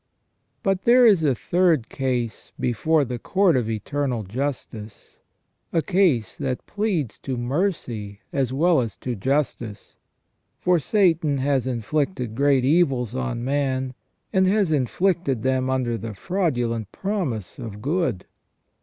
But there is a third case before the court of Eternal Justice, a case that pleads to Mercy as well as to Justice. For Satan has inflicted great evils on man, and has inflicted them under the fraudu lent promise of good.